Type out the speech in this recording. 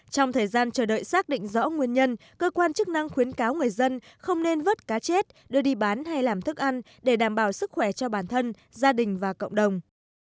trong thời gian chờ đợi xác định rõ nguyên nhân cơ quan chức năng khuyến cáo người dân không nên vớt cá chết đưa đi bán hay làm thức ăn để đảm bảo sức khỏe cho bản thân gia đình và cộng đồng